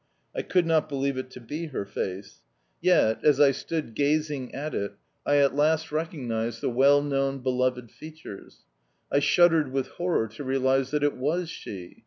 I could not believe it to be her face. Yet, as I stood grazing at it, I at last recognised the well known, beloved features. I shuddered with horror to realise that it WAS she.